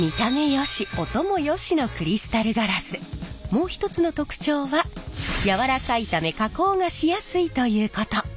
もう一つの特徴は柔らかいため加工がしやすいということ。